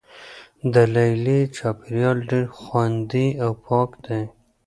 د لیلیې چاپیریال ډیر خوندي او پاک دی.